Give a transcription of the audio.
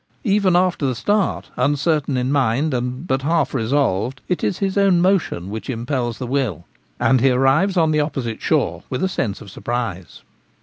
Even after the start, uncertain in mind and but half resolved, it is his own motion which impels the will, and he arrives on the opposite shore with a sense of surprise.